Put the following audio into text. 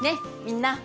みんな。